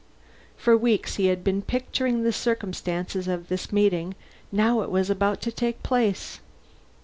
For weeks he had been picturing the circumstances of this meeting; now it was about to take place.